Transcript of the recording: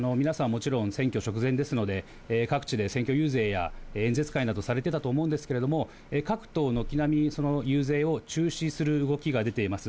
もちろん、選挙直前ですので、各地で選挙遊説や演説会などされてたと思うんですけど、各党、軒並み遊説を中止する動きが出ています。